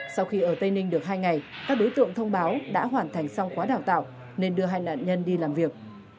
sau khi ở tây ninh được hai ngày các đối tượng thông báo đã hoàn thành xong quá đào tạo nên đưa hai nạn nhân đi làm việc